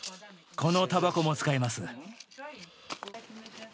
このたばこも使います。